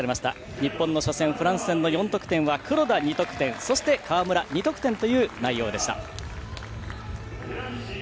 日本の初戦フランス戦の４得点は黒田が２得点川村、２得点という内容でした。